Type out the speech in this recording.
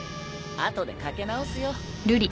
後でかけ直すよ。